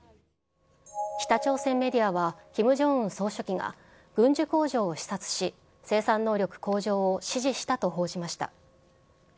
北朝鮮メディアは、キム・ジョンウン総書記が軍需工場を視察し、生産能力向上を指示したと報じました。